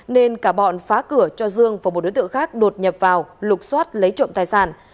nên cả bọn phá cửa cho dương và một đối tượng khác đột nhập vào lục xoát lấy trộm tài sản